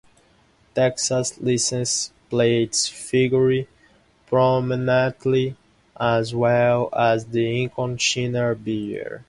Texas license plates figure prominently, as well as the iconic Shiner Beer.